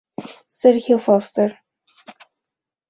Sergio Fuster.